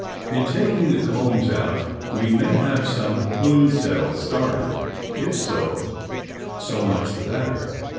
In taking the combs out we may have seen some queen cells started. If so, so much the better.